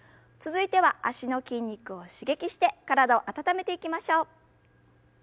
続いては脚の筋肉を刺激して体を温めていきましょう。